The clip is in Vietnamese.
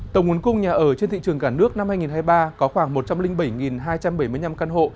tổng nguồn cung nhà ở trên thị trường cả nước năm hai nghìn hai mươi ba có khoảng một trăm linh bảy hai trăm bảy mươi năm căn hộ